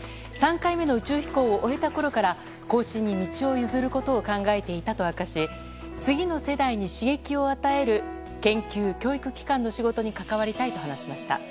３回目の宇宙飛行を終えたころから後進に道を譲ることを考えていたと明かし次の世代に刺激を与える研究・教育機関の仕事に関わりたいと話しました。